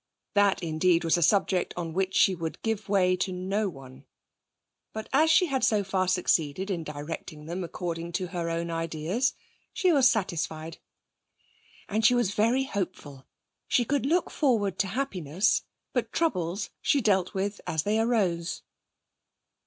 That, indeed, was a subject on which she would give way to no one. But as she had so far succeeded in directing them according to her own ideas, she was satisfied. And she was very hopeful. She could look forward to happiness, but troubles she dealt with as they arose.